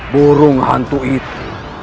burung hantu itu